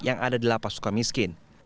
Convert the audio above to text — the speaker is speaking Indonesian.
yang ada di lapas suka miskin